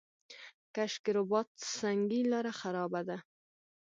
کشک رباط سنګي لاره خرابه ده؟